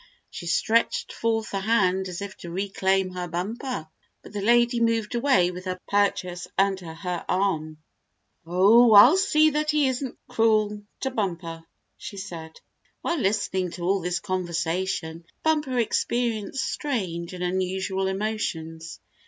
She stretched forth a hand as if to reclaim her Bumper, but the lady moved away with her purchase under her arm. "Oh, I'll see that he isn't cruel to Bumper," she said. While listening to all this conversation, Bumper experienced strange and unusual emotions.